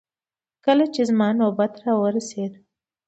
کله چې زما نوبت راورسېد.